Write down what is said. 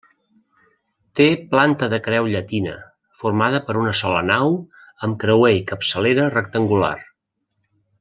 Té planta de creu llatina, formada per una sola nau amb creuer i capçalera rectangular.